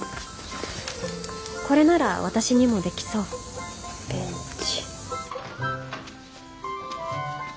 これなら私にもできそうベンチ。